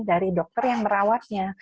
dari dokter yang merawatnya